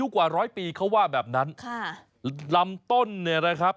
กว่าร้อยปีเขาว่าแบบนั้นค่ะลำต้นเนี่ยนะครับ